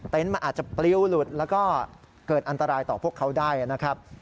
มันอาจจะปลิ้วหลุดแล้วก็เกิดอันตรายต่อพวกเขาได้นะครับ